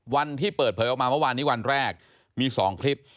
วันที่เปิดเผยออกมาเมื่อวานนี้วันแรกมี๒คลิป